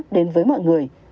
đến với mọi người